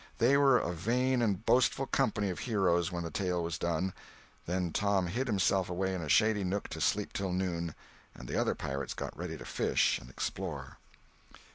They were a vain and boastful company of heroes when the tale was done. Then Tom hid himself away in a shady nook to sleep till noon, and the other pirates got ready to fish and explore.